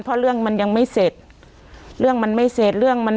เพราะเรื่องมันยังไม่เสร็จเรื่องมันไม่เสร็จเรื่องมัน